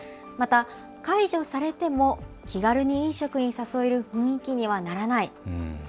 また、解除されても気軽に飲食に誘える雰囲気にはならない。